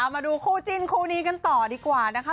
มาดูคู่จิ้นคู่นี้กันต่อดีกว่านะคะ